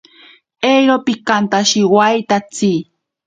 Eiro pikantashiwaitatsi.